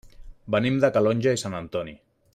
Venim de Calonge i Sant Antoni.